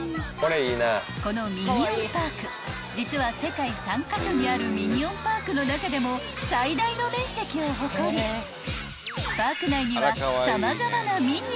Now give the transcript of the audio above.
［このミニオン・パーク実は世界３カ所にあるミニオン・パークの中でも最大の面積を誇りパーク内には］